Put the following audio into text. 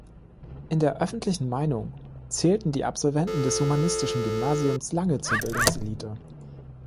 In der öffentlichen Meinung zählten die Absolventen des humanistischen Gymnasiums lange zur Bildungselite.